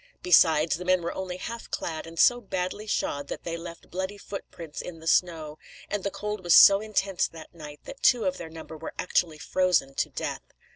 Besides, the men were only half clad, and so badly shod that they left bloody footprints in the snow; and the cold was so intense that night, that two of their number were actually frozen to death.